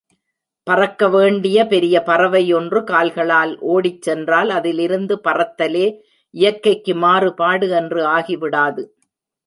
பறக்க வேண்டிய பெரிய பறவை ஒன்று கால்களால் ஓடிச்சென்றால், அதிலிருந்து பறத்தலே இயற்கைக்கு மாறுபாடு என்று ஆகிவிடாது.